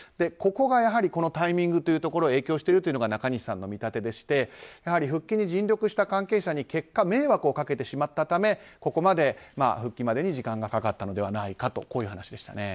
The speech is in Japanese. ここがやはり、このタイミングに影響しているというところが中西さんの見立てでして復帰に尽力した関係者に結果、迷惑をかけてしまったためここまで復帰までに時間がかかったのではないかという話でした。